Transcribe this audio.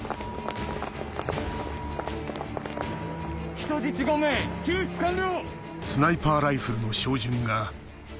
人質５名救出完了！